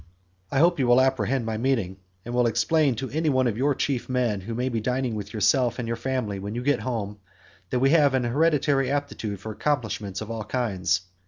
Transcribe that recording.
I hope you will apprehend my meaning, and will explain to any one of your chief men who may be dining with yourself and your family when you get home, that we have an hereditary aptitude for accomplishments of all kinds.